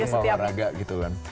jangan lupa olahraga pokoknya setiap